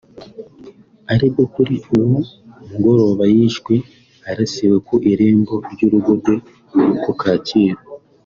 aribwo kuri uwo mugoroba yishwe arasiwe ku irembo ry’urugo rwe ku Kacyiru